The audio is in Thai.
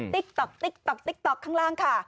ติ๊กต๊อกติ๊กต๊อกติ๊กต๊อกข้างล่างค่ะ